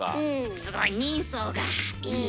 すごい人相がいい。